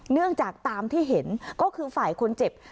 เนื่องจากตามที่เห็นก็คือฝ่ายคนเจ็บ